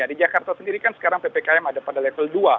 di jakarta sendiri kan sekarang ppkm ada pada level dua